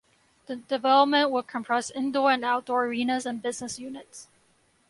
The development will comprise indoor and outdoor arenas and business units.